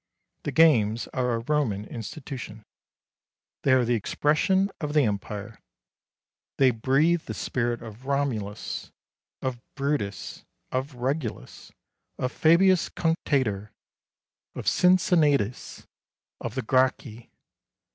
The games are a Roman institution. They are the expression of the Empire. They breathe the spirit of Romulus, of Brutus, of Regulus, of Fabius Cunctator, of Cincinnatus, of the Gracchi.